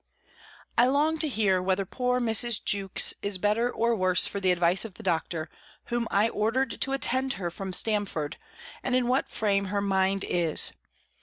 I long to hear whether poor Mrs. Jewkes is better or worse for the advice of the doctor, whom I ordered to attend her from Stamford, and in what frame her mind is.